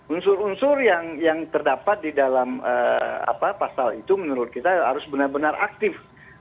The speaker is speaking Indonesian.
unsur unsur yang terdapat di dalam pasal itu menurut kita harus benar benar aktif